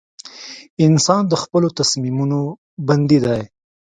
• انسان د خپلو تصمیمونو بندي دی.